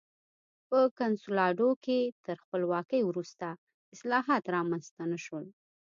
په کنسولاډو کې تر خپلواکۍ وروسته اصلاحات رامنځته نه شول.